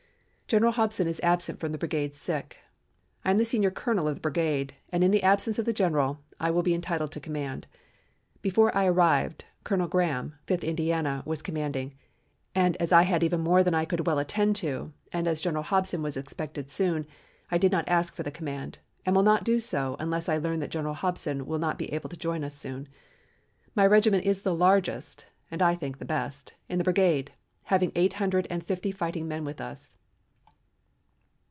"General Hobson is absent from the brigade sick. I am the senior colonel of the brigade, and in the absence of the general, I will be entitled to command. Before I arrived, Colonel Graham, Fifth Indiana, was commanding, and as I had even more than I could well attend to, and as General Hobson was expected soon, I did not ask for the command, and will not do so unless I learn that General Hobson will not be able to join us soon. My regiment is the largest (and I think the best) in the brigade, having eight hundred and fifty fighting men with us."